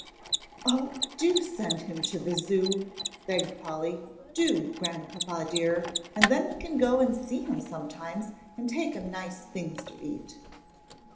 "Oh, do send him to the Zoo," begged Polly, "do, Grandpapa dear, and then we can go and see him sometimes and take him nice things to eat."